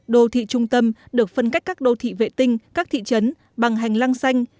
đô thị trung tâm được phân cách các đô thị vệ tinh các thị trấn bằng hành lang xanh